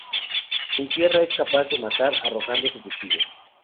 En tierra es capaz de matar arrojando su cuchillo.